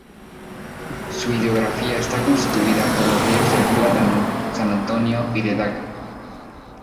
Su hidrografía está constituida por los ríos del Plátano, San Antonio y de Daga.